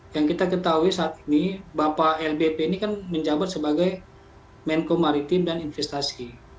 yang kita ketahui saat ini bapak lbp ini kan menjabat sebagai menko maritim dan investasi